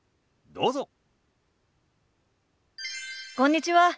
どうぞ。